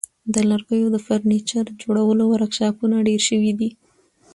د لرګیو د فرنیچر جوړولو ورکشاپونه ډیر شوي دي.